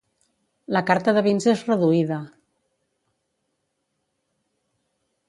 La carta de vins és reduïda.